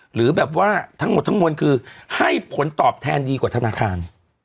หรือแบบว่าทั้งหมดทั้งมวลคือให้ผลตอบแทนดีกว่าธนาคาร